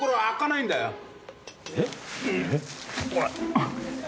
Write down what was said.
開かないんだよ。